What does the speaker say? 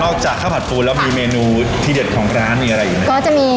นอกจากข้าวผักฟูนะคะมีเมนูที่เดียวของร้านมีอะไรอยู่ในนี้